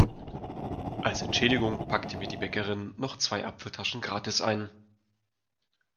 Als Entschädigung packte mir die Bäckerin noch zwei Apfeltaschen gratis ein.